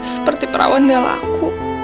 seperti perawan galaku